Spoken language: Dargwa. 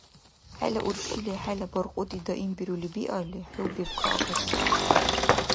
XӀела уршили хӀела баркьуди даимбирули биалли, xӀу бебкӀаагарсири.